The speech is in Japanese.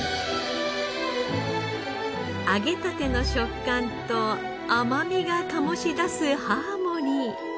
揚げたての食感と甘みが醸し出すハーモニー。